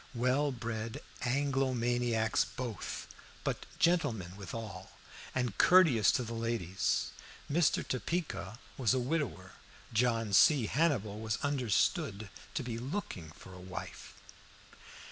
Well bred Anglo maniacs both, but gentlemen withal, and courteous to the ladies. Mr. Topeka was a widower, John C. Hannibal was understood to be looking for a wife.